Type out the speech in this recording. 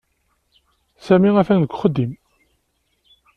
Sami atan deg uxeddim.